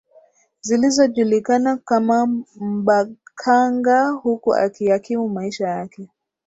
Zilizojulikana kama mbaqanga huku akiyakimu maisha yake